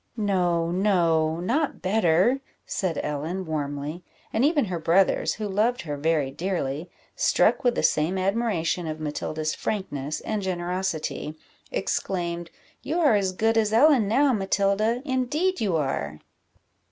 "No, no not better," said Ellen, warmly; and even her brothers, who loved her very dearly, struck with the same admiration of Matilda's frankness and generosity, exclaimed "You are as good as Ellen now, Matilda indeed you are!"